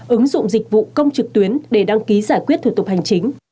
ứng dụng dịch vụ công trực tuyến để đăng ký giải quyết thủ tục hành chính